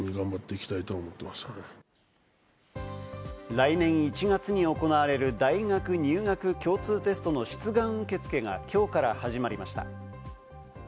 来年１月に行われる大学入学共通テストの出願受付がきょうから始まりました。